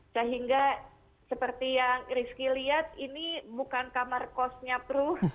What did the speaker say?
sehingga seperti yang rizky lihat ini bukan kamar kosnya pru